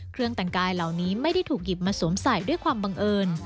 เครื่องแต่งกายเหล่านี้ไม่ได้ถูกหยิบมาสวมใส่ด้วยความบังเอิญ